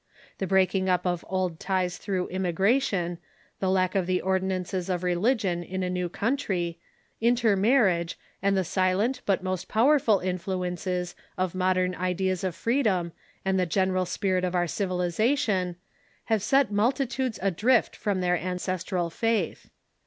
The breaking up of old ties through immigration, the lack of the ordinances of re ligion in a new country, intermarriage, and the silent but most powerful influences of modern ideas of freedom, and the general spirit of our civilization, have set multitudes adrift from their ancestral faith.